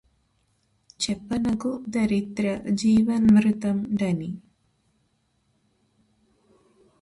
చెప్పనగు ధరిత్ర జీవన్మృతుం డని